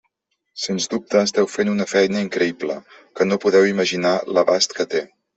Sens dubte, esteu fent una feina increïble que no podeu imaginar l'abast que té.